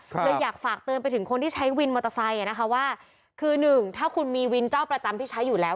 เลยอยากฝากเตือนไปถึงคนที่ใช้วินมอเตอร์ไซค์อ่ะนะคะว่าคือหนึ่งถ้าคุณมีวินเจ้าประจำที่ใช้อยู่แล้ว